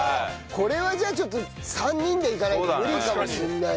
これはじゃあちょっと３人でいかないと無理かもしれない。